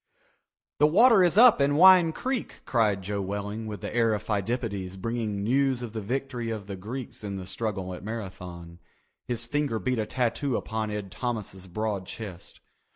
"The water is up in Wine Creek," cried Joe Welling with the air of Pheidippides bringing news of the victory of the Greeks in the struggle at Marathon. His finger beat a tattoo upon Ed Thomas's broad chest.